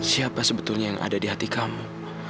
siapa sebetulnya yang ada di hati kamu